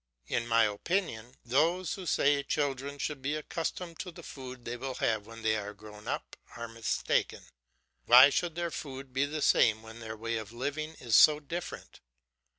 In my opinion, those who say children should be accustomed to the food they will have when they are grown up are mistaken. Why should their food be the same when their way of living is so different?